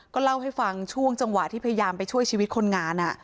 เล่าให้ฟังช่วงจังหวะที่พยายามไปช่วยชีวิตคนงาน